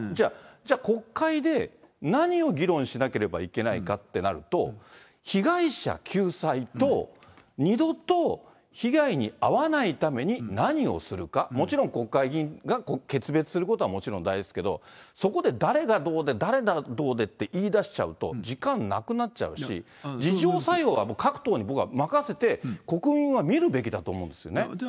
じゃあ、国会で何を議論しなければいけないかってなると、被害者救済と二度と被害に遭わないために何をするか、もちろん国会議員が決別することはもちろん大事ですけど、そこで誰がどうで、誰がどうでって言いだしちゃうと時間なくなっちゃうし、自浄作用はもう各党に任せて、国民は見るべきだと思うんですよね。